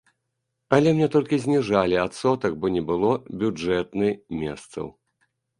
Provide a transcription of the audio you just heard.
Але мне толькі зніжалі адсотак, бо не было бюджэтны месцаў.